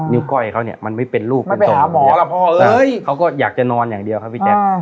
ก้อยเขาเนี่ยมันไม่เป็นลูกเป็นหมอล่ะพ่อเอ้ยเขาก็อยากจะนอนอย่างเดียวครับพี่แจ๊ค